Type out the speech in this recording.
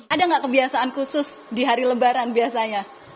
ada nggak kebiasaan khusus di hari lebaran biasanya